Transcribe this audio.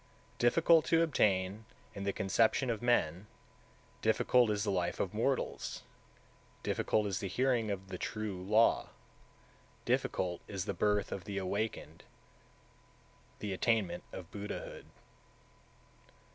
182. Difficult (to obtain) is the conception of men, difficult is the life of mortals, difficult is the hearing of the True Law, difficult is the birth of the Awakened (the attainment of Buddhahood).